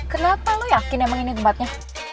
kenapa lo yakin emang ini tempatnya